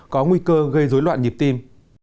có nguy cơ gây dối loạn nhịp tim